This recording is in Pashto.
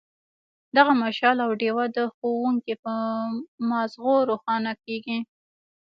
دغه مشال او ډیوه د ښوونکي په مازغو روښانه کیږي.